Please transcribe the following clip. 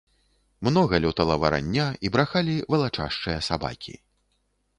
Многа лётала варання, і брахалі валачашчыя сабакі.